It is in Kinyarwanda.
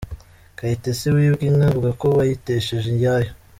Kayitesi wibwe inka avuga ko, bayitesheje iyayo.